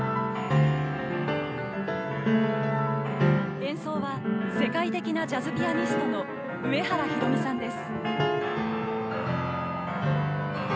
演奏は世界的なジャズピアニストの上原ひろみさんです。